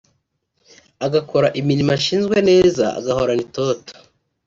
agakora imirimo ashinzwe neza agahorana itoto